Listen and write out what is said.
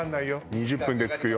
２０分で着くよ